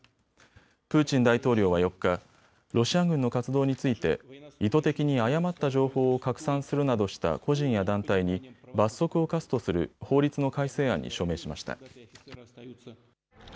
プーチン大統領は４日、ロシア軍の活動について意図的に誤った情報を拡散するなどした個人や団体に罰則を科すとする法律の改正案に署名しました。